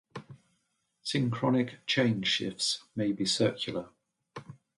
Synchronic chain shifts may be circular.